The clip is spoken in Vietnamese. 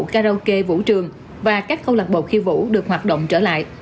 karaoke vũ trường và các câu lạc bộ khi vũ được hoạt động trở lại